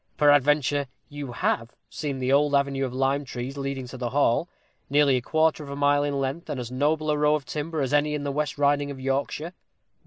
Peradventure, you have seen the old avenue of lime trees leading to the hall, nearly a quarter of a mile in length, and as noble a row of timber as any in the West Riding of Yorkshire.